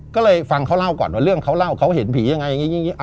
ก็เลยฟังเขาเล่าก่อนว่าเรื่องเขาเล่าเขาเห็นผียังไงอย่างนี้